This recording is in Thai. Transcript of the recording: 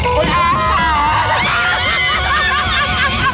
คุณอาคาร